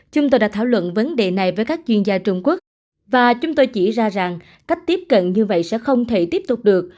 chúng tôi đã thảo luận vấn đề này với các chuyên gia trung quốc và chúng tôi chỉ ra rằng cách tiếp cận như vậy sẽ không thể tiếp tục được